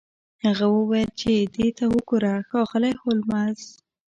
هغه وویل چې دې ته وګوره ښاغلی هولمز